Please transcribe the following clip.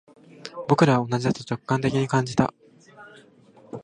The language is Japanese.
僕らは同じだと直感的に感じた